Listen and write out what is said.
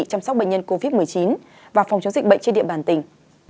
chăm sóc bệnh nhân covid một mươi chín và phòng chống dịch bệnh trên địa bàn tỉnh